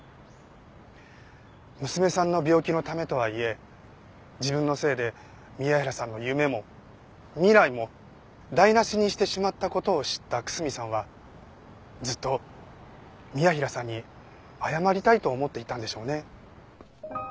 娘さんの病気のためとはいえ自分のせいで宮平さんの夢も未来も台無しにしてしまった事を知った楠見さんはずっと宮平さんに謝りたいと思っていたんでしょうね。